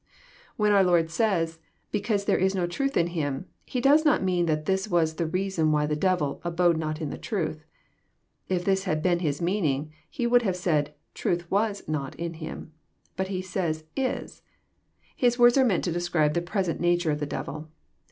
When our Lord says, " Because there is no truth in him," He does not mean that this was the reason why the devil " abode not in the truth." If this had been His meaning, He would have said, " Truth was not in him." But He says, "is." — His words are meant to describe the present nature of the devil.